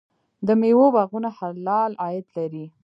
د میوو باغونه حلال عاید لري.